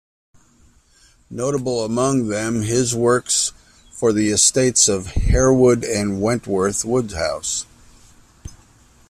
Notable among them his works for the estates of Harewood and Wentworth Woodhouse.